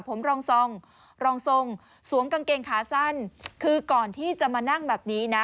ผมรองทรงรองทรงสวมกางเกงขาสั้นคือก่อนที่จะมานั่งแบบนี้นะ